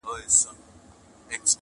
زما په مینه زوی له پلار څخه بیلیږي؛